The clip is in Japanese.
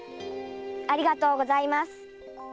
ありがとうございます。